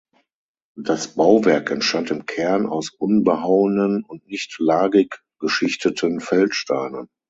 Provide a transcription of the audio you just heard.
Das Bauwerk entstand im Kern aus unbehauenen und nicht lagig geschichteten Feldsteinen.